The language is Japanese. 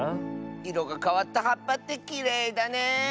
いろがかわったはっぱってきれいだね！